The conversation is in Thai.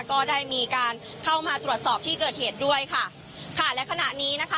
ก็ได้มีการเข้ามาตรวจสอบที่เกิดเหตุด้วยค่ะค่ะและขณะนี้นะคะ